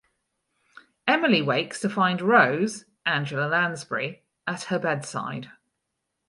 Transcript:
Emily wakes to find Rose (Angela Lansbury) at her bedside.